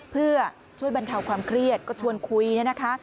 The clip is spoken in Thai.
เพื่อช่วยบรรเทาความเครียดก็ชวนคุยเนี่ยนะคะ